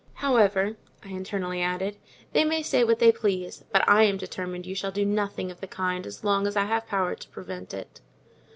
However," I internally added, "they may say what they please, but I am determined you shall do nothing of the kind, as long as I have power to prevent it."